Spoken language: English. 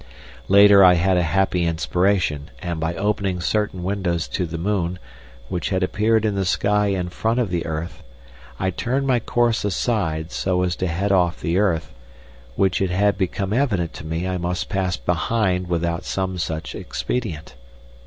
Later I had a happy inspiration, and by opening certain windows to the moon, which had appeared in the sky in front of the earth, I turned my course aside so as to head off the earth, which it had become evident to me I must pass behind without some such expedient.